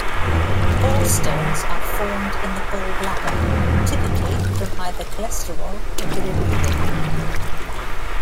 Gallstones are formed in the gallbladder, typically from either cholesterol or bilirubin.